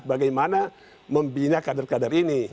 bagaimana membina kader kader ini